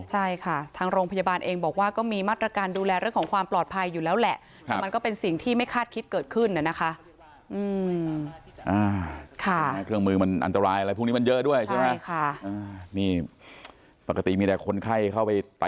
ใช่ค่ะทางโรงพยาบาลเองบอกว่าก็มีมาตรการดูแลเรื่องของความปลอดภัยอยู่แล้วแหละแต่มันก็เป็นสิ่งที่ไม่คาดคิดเกิดขึ้นน่ะนะคะ